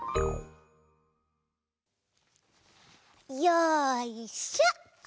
よいしょ！